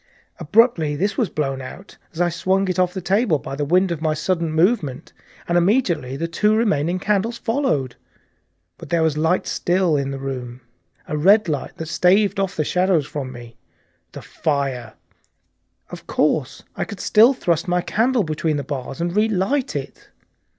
Abruptly this was blown out as I swung it off the table by the wind of my sudden movement, and immediately the two remaining candles followed. But there was light still in the room, a red light, that streamed across the ceiling and staved off the shadows from me. The fire! Of course I could still thrust my candle between the bars and relight it.